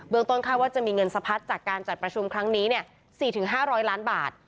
ต้นข้าวว่าจะมีเงินสะพัดจากการจัดประชุมครั้งนี้๔๕๐๐ล้านบาท